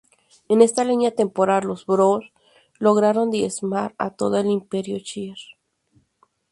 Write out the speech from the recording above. En esta línea temporal, los Brood lograron diezmar a todo el Imperio Shi'ar.